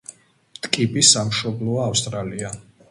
ტკიპის სამშობლოა ავსტრალია.